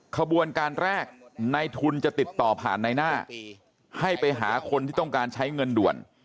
ขบวนการแรกในทุนจะติดต่อผ่านในหน้าให้ไปหาคนที่ต้องการใช้เงินด่วน